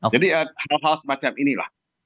jadi hal hal semacam inilah